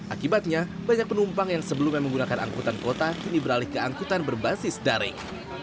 akibatnya banyak penumpang yang sebelumnya menggunakan angkutan kota kini beralih ke angkutan berbasis daring